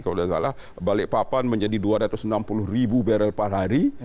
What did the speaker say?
kalau tidak salah balikpapan menjadi dua ratus enam puluh ribu barrel per hari